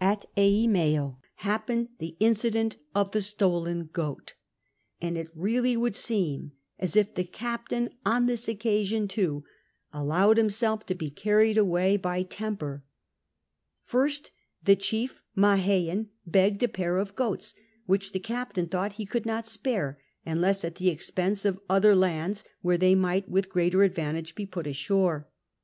At Eimeo happened the incident of the stolen goat. And it really Avould seem as if the captain on this occasion, too, alloAved himself to be carried away by 126 CAPTAm COOK CHAP. temper. First, the chief Mahein begged a pair of goats, which the captain thought he could not spare unless at l^e expense of other lands where they might with greater advantage bo put ashore.